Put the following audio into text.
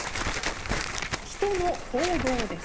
人の行動です。